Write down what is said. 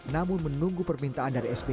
namun menunggu permintaan dari sbi